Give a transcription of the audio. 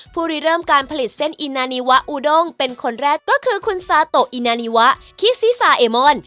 รีเริ่มการผลิตเส้นอินนานีวะอูด้งเป็นคนแรกก็คือคุณซาโตะอินานีวะคิซิซาเอมอน